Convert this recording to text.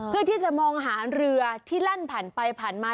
เพื่อที่จะมองหาเรือที่แล่นผ่านไปผ่านมา